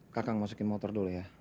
kakak masukin motor dulu ya